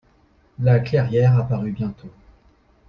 La clairière apparut bientôt.